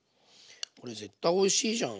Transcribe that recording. これ絶対おいしいじゃん！